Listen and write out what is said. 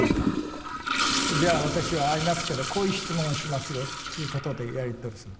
じゃあ私は会いますけどこういう質問をしますよっていうことでやり取りする。